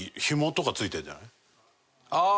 ああ。